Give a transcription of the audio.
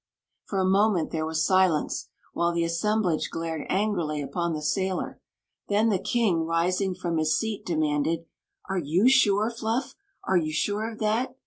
'" For a moment there was silence, while the assem blage glared angrily upon the sailor. Then the king, rising from his seat, demanded : "Are you sure, Fluff? Are you sure of that?"